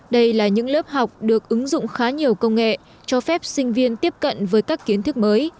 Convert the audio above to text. đây là những lớp học được ứng dụng khá nhiều công nghệ cho phép sinh viên tiếp cận với các kiến thức mới